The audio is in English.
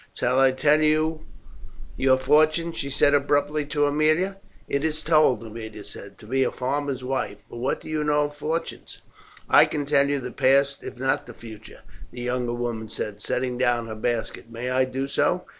"Shall I tell you your fortune?" she said abruptly to Aemilia. "It is told," Aemilia said; "to be a farmer's wife. But what do you know of fortunes?" "I can tell you the past if not the future," the young woman said, setting down her basket. "May I do so?"